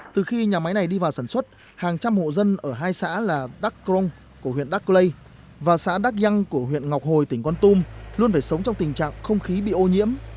từ khi nhà máy này đi vào sản xuất hàng trăm hộ dân ở hai xã là đắk crong của huyện đắc lây và xã đắc giang của huyện ngọc hồi tỉnh con tum luôn phải sống trong tình trạng không khí bị ô nhiễm